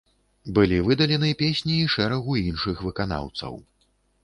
Былі выдалены песні і шэрагу іншых выканаўцаў.